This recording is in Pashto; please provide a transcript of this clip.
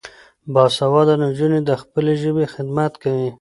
باسواده نجونې د خپلې ژبې خدمت کوي.